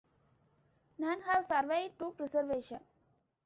None have survived to preservation.